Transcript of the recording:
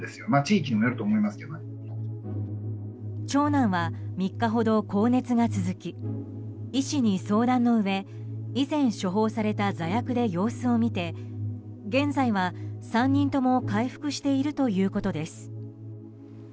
長男は３日ほど高熱が続き医師に相談のうえ以前処方された座薬で様子を見て、現在は３人とも回復しているということです。